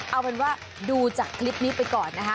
เอาเป็นว่าดูจากคลิปนี้ไปก่อนนะคะ